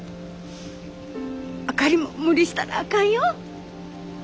あかりも無理したらあかんよ。